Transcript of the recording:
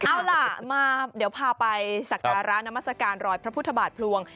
เอาล่ะเดี๋ยวพาไปศักดาลร้านนามสการรอยพระพุทธบาทพลวง